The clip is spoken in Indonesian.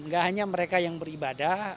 gak hanya mereka yang beribadah